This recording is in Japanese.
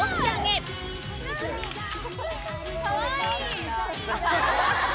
かわいい！